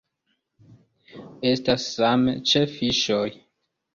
Estas same ĉe fiŝoj.